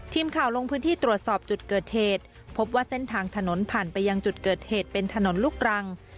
ทีมข่าวลงพื้นที่ตรวจสอบจุดเกิดเหตุพบว่าเส้นทางถนนผ่านไปยังจุดเกิดเหตุเป็นถนนลูกรัง